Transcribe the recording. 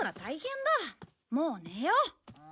もう寝よう。